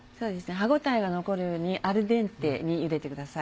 歯ごたえが残るようにアルデンテにゆでてください。